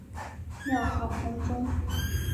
庙号弘宗。